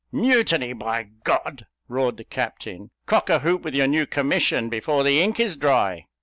"Mutiny, by G !" roared the captain. "Cock a hoop with your new commission, before the ink is dry!"